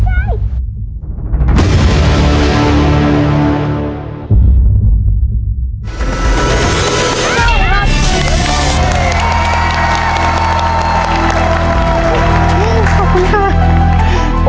โอ้โอ้